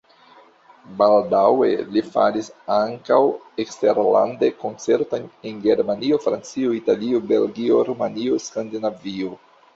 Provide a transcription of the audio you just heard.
Baldaŭe li faris ankaŭ eksterlande koncertojn en Germanio, Francio, Italio, Belgio, Rumanio, Skandinavio.